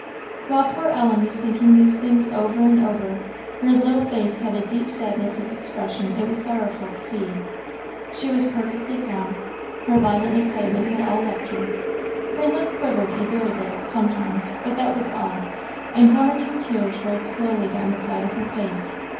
While poor Ellen was thinking these things over and over, her little face had a deep sadness of expression it was sorrowful to see. She was perfectly calm her violent excitement had all left her her lip quivered a very little, sometimes, but that was all; and one or two tears rolled slowly down the side of her face.